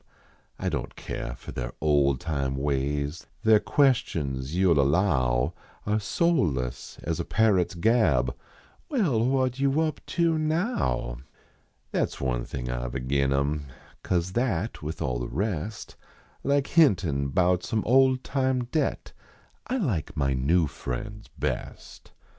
I don t care for their old time ways ; Their questions you ll allow Are soulless as a parrot s gab :" Well, what you up to now? " That s one thing I ve agin em Cause that with all the rest, Like hintin bout some old time debt; 1 like my new friends best.